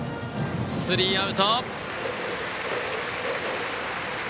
スリーアウト。